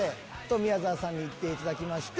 宮沢さんに言っていただきまして。